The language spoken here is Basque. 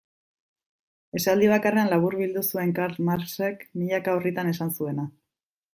Esaldi bakarrean laburbildu zuen Karl Marxek milaka orritan esan zuena.